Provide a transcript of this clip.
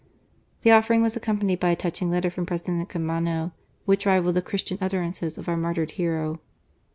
The offering was accompanied by a touching letter from President Caamano, which rivalled the Christian utterances of our martyred hero.